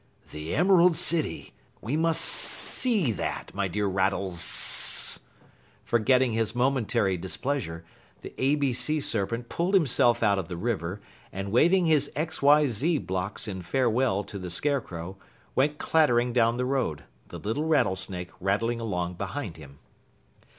"The Emerald City! We must see that, my dear Rattles." Forgetting his momentary displeasure, the A B Sea Serpent pulled himself out of the river, and waving his X Y Z blocks in farewell to the Scarecrow, went clattering down the road, the little Rattlesnake rattling along behind him.